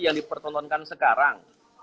yang dipertontonkan sekarang